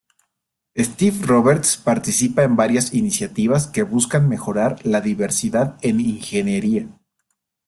Stiff-Roberts participa en varias iniciativas que buscan mejorar la diversidad en ingeniería.